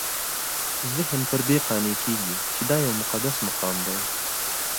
ذهن پر دې قانع کېږي چې دا یو مقدس مقام دی.